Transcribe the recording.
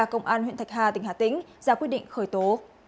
công an huyện thạch hà tỉnh hà tĩnh ra quyết định khởi tố